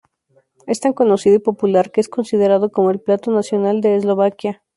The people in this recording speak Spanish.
Es tan conocido y popular que es considerado como el plato nacional de Eslovaquia.